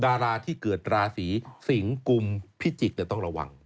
ดาราที่เกิดราศีสิงกุมพิจิกษ์ต้องระวัง